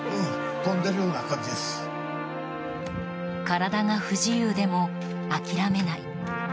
体が不自由でも諦めない。